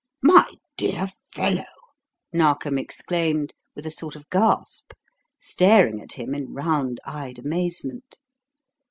"My dear fellow!" Narkom exclaimed, with a sort of gasp, staring at him in round eyed amazement.